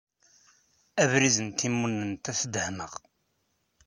Abrid n timunent ad t-dehmeɣ.